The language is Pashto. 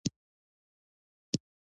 یا یې زموږ له احساساتو سره برابر کړو.